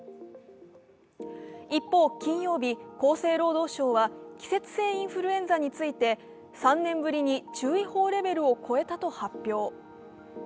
一方、金曜日、厚生労働省は季節性インフルエンザについて、３年ぶりに注意報レベルを超えたと発表。